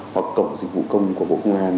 hoặc cổng dịch vụ công của bộ công an